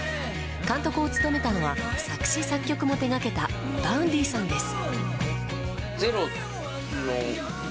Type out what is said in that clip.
監督を務めたのは作詞・作曲も手掛けたＶａｕｎｄｙさんです。